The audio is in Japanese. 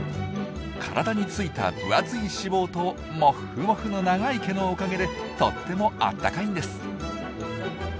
体についた分厚い脂肪とモッフモフの長い毛のおかげでとってもあったかいんです。